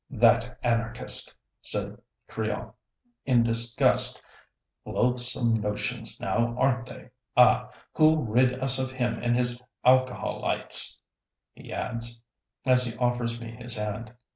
"That anarchist!" said Crillon, in disgust; "loathsome notions, now, aren't they? Ah! who'll rid us of him and his alcoholytes?" he adds, as he offers me his hand.